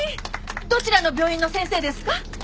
どちらの病院の先生ですか？